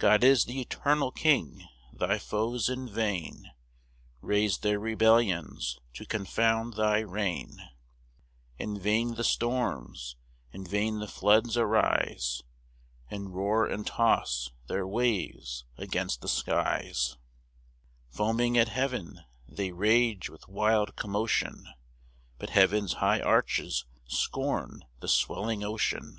2 God is th' eternal King: thy foes in vain Raise their rebellions to confound thy reign: In vain the storms, in vain the floods arise, And roar and toss their waves against the skies; Foaming at heaven, they rage with wild commotion, But heaven's high arches scorn the swelling ocean.